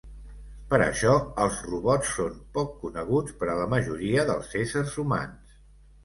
Per això els robots són poc coneguts per a la majoria dels éssers humans.